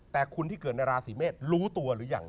แต่คนที่เกิดในราศีเมษรู้ตัวหรือยัง